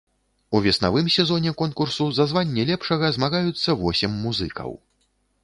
У веснавым сезоне конкурсу за званне лепшага змагаюцца восем музыкаў.